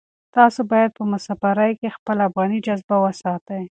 تاسو باید په مسافرۍ کې خپله افغاني جذبه وساتئ.